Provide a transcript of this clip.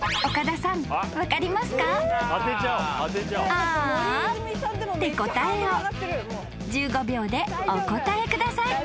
［あーあって答えを１５秒でお答えください］